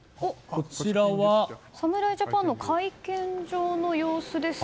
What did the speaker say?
侍ジャパンの会見場の様子です。